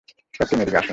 Captain, এদিকে আসুন।